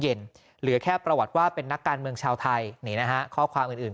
เหลือแค่ประวัติว่าเป็นนักการเมืองชาวไทยนี่นะฮะข้อความอื่น